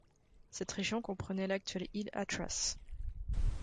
Cette région comprenait l'actuelle île Hatteras.